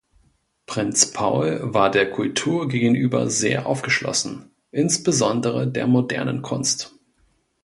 Prinz Paul war der Kultur gegenüber sehr aufgeschlossen, insbesondere der modernen Kunst.